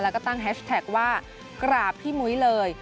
แล้วก็ตั้งแฮชแท็กว่ากราบพี่มุ้ยเลย